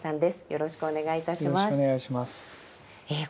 よろしくお願いします。